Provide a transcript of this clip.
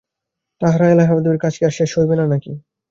তাঁহার এলাহাবাদের কাজ কি আর শেষ হইবে না নাকি?